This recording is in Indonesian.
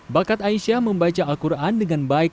bakat aisyah membaca al quran dengan baik